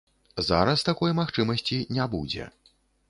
Зараз такой магчымасці не будзе.